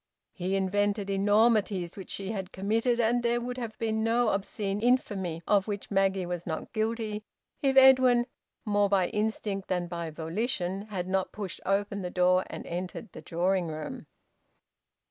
He invented enormities which she had committed, and there would have been no obscene infamy of which Maggie was not guilty, if Edwin more by instinct than by volition had not pushed open the door and entered the drawing room.